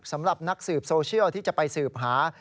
สำหรับนักสืบโซเชียลที่จะไปสืบหา